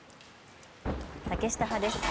竹下派です。